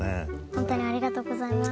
ホントにありがとうございます。